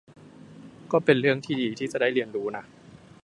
ก็เป็นเรื่องที่ดีที่จะได้เรียนรู้นะ